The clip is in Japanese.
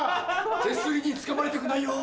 手すりにつかまりたくないよぉ。